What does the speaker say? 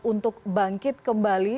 untuk bangkit kembali